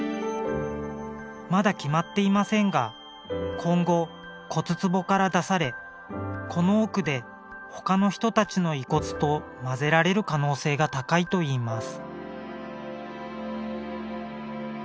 まだ決まっていませんが今後骨つぼから出されこの奥で他の人たちの遺骨と混ぜられる可能性が高いといいます。